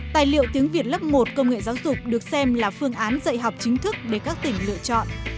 tài liệu tiếng việt lớp một công nghệ giáo dục được xem là phương án dạy học chính thức để các tỉnh lựa chọn